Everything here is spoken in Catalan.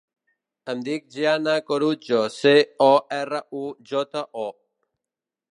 Em dic Gianna Corujo: ce, o, erra, u, jota, o.